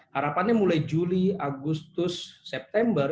harapannya mulai juli agustus september